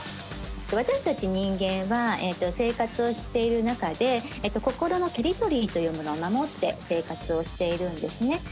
私たち人間は生活をしている中で心のテリトリーというものを守って生活をしているんですね。